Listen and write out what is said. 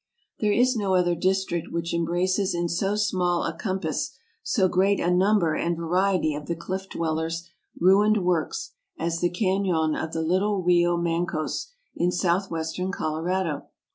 There is no other district which embraces in so small a compass so great a number and variety of the Cliff dwellers' ruined works as the canon of the Little Rio Mancos in Southwestern Colorado.